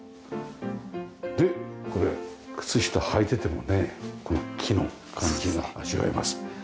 でこれ靴下履いててもねこの木の感じが味わえます。